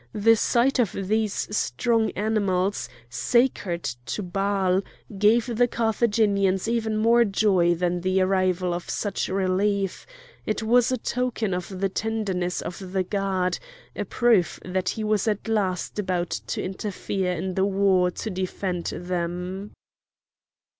The sight of these strong animals, sacred to Baal, gave the Carthaginians even more joy than the arrival of such relief; it was a token of the tenderness of the god, a proof that he was at last about to interfere in the war to defend them.